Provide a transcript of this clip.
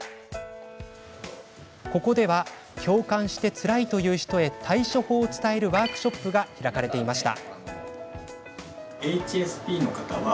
ここでは共感して、つらいという人へ対処法を伝えるワークショップが開かれていました。